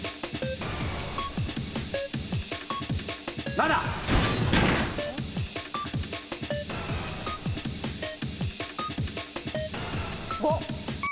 ７！５。